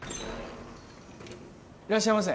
いらっしゃいませ。